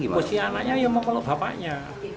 posisi anaknya ya mau kalau bapaknya